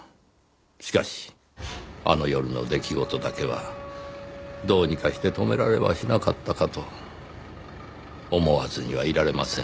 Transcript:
しかしあの夜の出来事だけはどうにかして止められはしなかったかと思わずにはいられません。